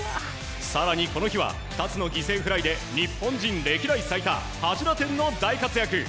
更にこの日は２つの犠牲フライで日本人歴代最多８打点の大活躍。